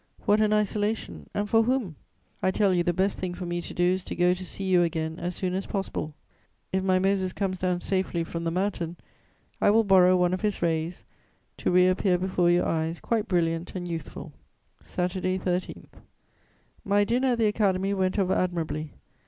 What an isolation! And for whom? I tell you, the best thing for me to do is to go to see you again as soon as possible. If my Moses comes down safely from the mountain, I will borrow one of his rays, to reappear before your eyes quite brilliant and youthful." "Saturday, 13. "My dinner at the Academy went off admirably.